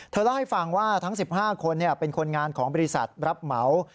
เล่าให้ฟังว่าทั้ง๑๕คนเป็นคนงานของบริษัทรับเหมา